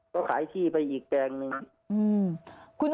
ก็ขายที่ไปอีกแปลงหนึ่ง